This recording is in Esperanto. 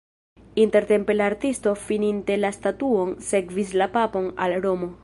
Intertempe la artisto fininte la statuon sekvis la papon al Romo.